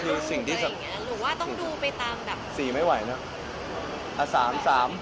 หรือว่าต้องดูไปตามสิมั้ยไหนนะสาม